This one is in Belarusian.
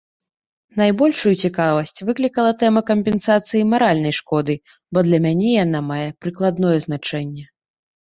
Найбольшую цікавасць выклікала тэма кампенсацыі маральнай шкоды, бо для мяне яна мае прыкладное значэнне.